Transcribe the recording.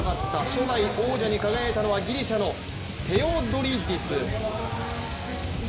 初代王者に輝いたのはギリシャのテオドリディス。